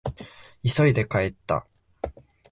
急いで帰った。